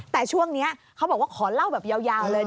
แต่ช่วงนี้เขาบอกว่าขอเล่าแบบยาวเลย